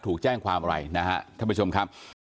ถูกแจ้งความอะไรนะฮะท่านผู้ชมครับ